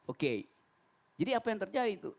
oke jadi apa yang terjadi itu